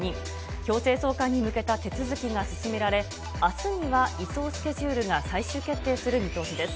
強制送還に向けた手続きが進められ、あすには移送スケジュールが最終決定する見通しです。